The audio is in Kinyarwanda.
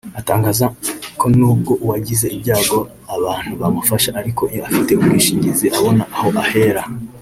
Atangaza ko n’ubwo uwagize ibyago abantu bamufasha ariko iyo afite ubwishingizi abona aho ahera